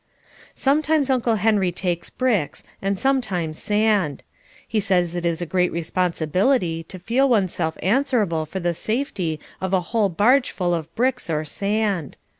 Sometimes Uncle Henry takes bricks and sometimes sand. He says it is a great responsibility to feel oneself answerable for the safety of a whole barge full of bricks or sand.